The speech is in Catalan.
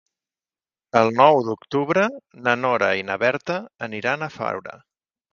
El nou d'octubre na Nora i na Berta aniran a Faura.